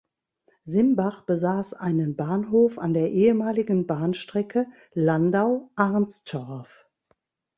Simbach besaß einen Bahnhof an der ehemaligen Bahnstrecke Landau–Arnstorf.